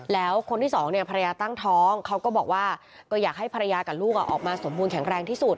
แล้วคนที่สองเนี่ยภรรยาตั้งท้องเขาก็บอกว่าก็อยากให้ภรรยากับลูกออกมาสมบูรณแข็งแรงที่สุด